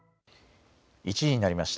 １時になりました。